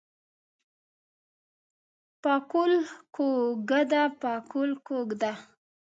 پکول ګو کده پکول ګو کده.